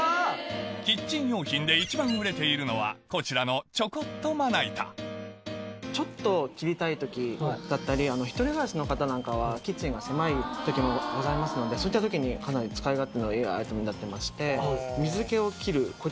キッチン用品で一番売れているのはこちらのちょっと切りたい時だったり１人暮らしの方なんかはキッチンが狭い時もございますのでそういった時にかなり使い勝手のいいアイテムになってまして。